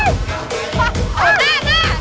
อ้าวเอ้าววววว